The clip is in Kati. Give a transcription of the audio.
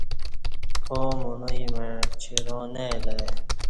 آو مݨوعی مع چِراں نہ الہ ای